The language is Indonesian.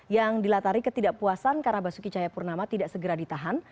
yang dilatari ketidakpuasan karena basuki cahayapurnama tidak segera ditahan